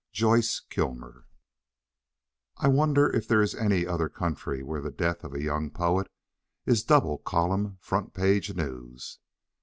JOYCE KILMER I I wonder if there is any other country where the death of a young poet is double column front page news?